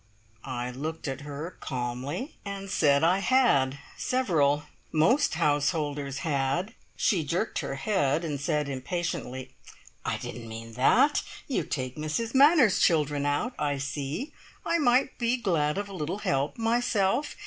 I looked at her calmly, and said I had. Several! Most householders had. She jerked her head, and said impatiently: "I didn't mean that. You take Mrs Manners' children out, I see. I might be glad of a little help myself.